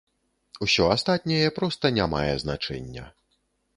Усё астатняе проста не мае значэння.